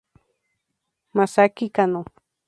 Masaaki Kanno